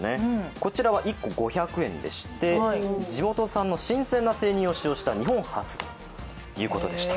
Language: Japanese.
こちらは１個５００円でして地元産の新鮮な塩を利用して日本初ということでした。